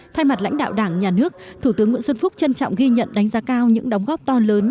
thay mặt lãnh đạo đảng nhà nước thủ tướng nguyễn xuân phúc trân trọng ghi nhận đánh giá cao những đóng góp to lớn